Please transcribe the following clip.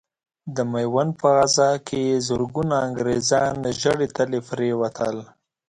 د ميوند په غزا کې زرګونه انګرېزان ژړې تلې پرې وتل.